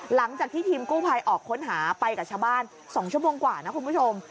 หลังจากที่ทีมกู้ภัยออกค้นหาไปกับชาวบ้าน๒ชั่วโมงกว่านะคุณผู้ชม